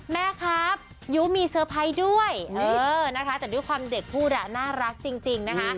แม่ครับยุมีเซอร์ไพรส์ด้วยนะคะแต่ด้วยความเด็กพูดน่ารักจริงนะคะ